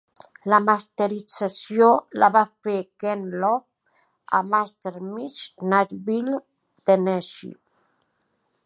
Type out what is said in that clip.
La masterització la va fer Ken Love a MasterMix, Nashville, Tennessee.